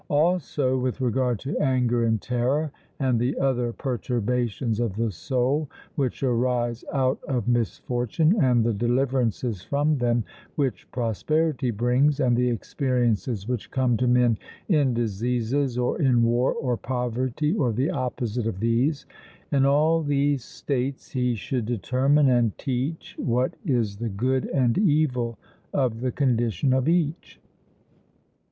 Also with regard to anger and terror, and the other perturbations of the soul, which arise out of misfortune, and the deliverances from them which prosperity brings, and the experiences which come to men in diseases, or in war, or poverty, or the opposite of these; in all these states he should determine and teach what is the good and evil of the condition of each.